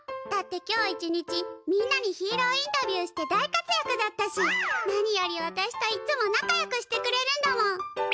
だって今日一日みんなにヒーローインタビューして大活やくだったし何よりわたしといっつもなかよくしてくれるんだもん。